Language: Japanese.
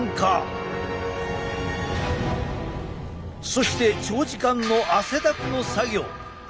そして長時間の汗だくの作業。